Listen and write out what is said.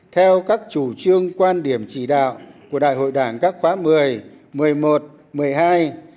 theo các chủ trương quan điểm chỉ đạo của đại hội đảng các khóa x xi xii